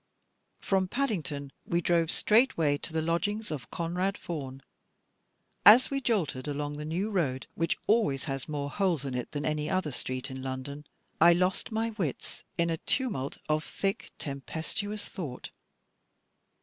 From Paddington we drove straightway to the lodgings of Conrad Vaughan. As we jolted along the New road, which always has more holes in it than any other street in London, I lost my wits in a tumult of thick tempestuous thought.